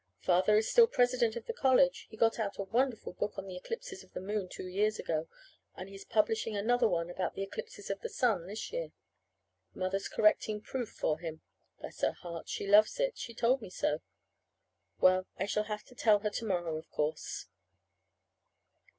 Father is still President of the college. He got out a wonderful book on the "Eclipses of the Moon" two years ago, and he's publishing another one about the "Eclipses of the Sun" this year. Mother's correcting proof for him. Bless her heart. She loves it. She told me so. Well, I shall have to tell her to morrow, of course.